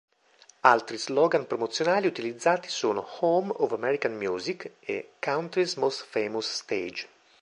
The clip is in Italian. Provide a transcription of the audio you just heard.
Altri slogan promozionali utilizzati sono: "Home of American Music" e "Country's Most Famous Stage".